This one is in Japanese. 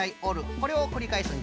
これをくりかえすんじゃよ。